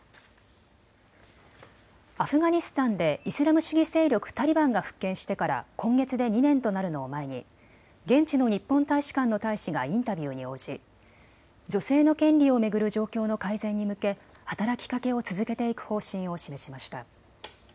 アフガニスタンでイスラム主義勢力タリバンが復権してから今月で２年となるのを前に現地の日本大使館の大使がインタビューに応じ女性の権利を巡る状況の改善に向け働きかけを続けていく方針を示しました。